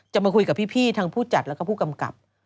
จะมาคุยกับพี่ผู้จัดและผู้กำกับ